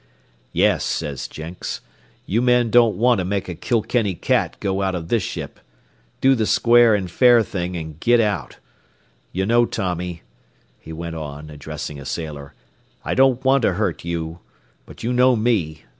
"Yes," said Jenks, "you men don't want to make a Kilkenny cat go out of this ship. Do the square an' fair thing, an' git out. You know, Tommy," he went on, addressing a sailor, "I don't want to hurt you; but you know me.